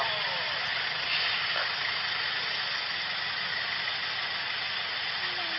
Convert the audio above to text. โอ๊ยโกรธเลย